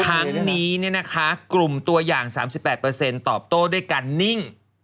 ครั้งนี้กลุ่มตัวอย่าง๓๘ตอบโต้ด้วยการนิ่ง